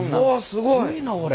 すごいなこれ。